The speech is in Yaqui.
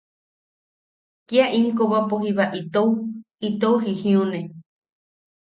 Kia im kobapo jiba itou... itou jijiune.